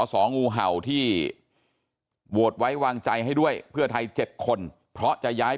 สองูเห่าที่โหวตไว้วางใจให้ด้วยเพื่อไทย๗คนเพราะจะย้าย